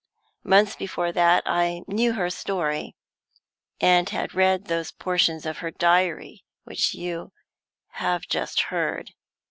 Months before that I knew her story, and had read those portions of her diary which you have just heard.